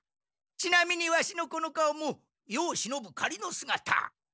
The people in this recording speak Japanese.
ちなみにワシのこの顔も世を忍ぶかりのすがた。